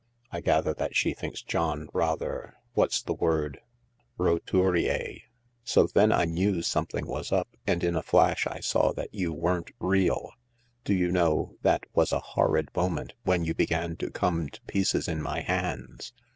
I gather that she thinks John rather — what's the word — roturier. So then I knew something was up, and in a flash I saw that you weren't real. Do you know, that was a horrid moment, when you began to come to pieces in my hands.